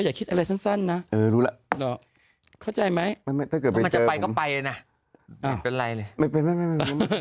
อไม่ได้ด้วยอย่างพูดถึงว่าถ่ายไม่ได้ลงหนังอะไรอะไร